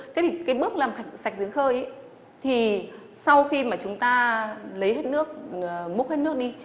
thế thì cái bước làm sạch dưới khơi thì sau khi mà chúng ta lấy hết nước múc hết nước đi